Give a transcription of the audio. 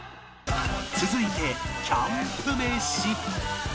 続いてキャンプ飯